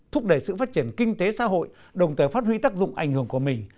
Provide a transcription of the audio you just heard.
thúc đẩy sự phát triển kinh tế xã hội đồng thời phát huy tác dụng ảnh hưởng của mình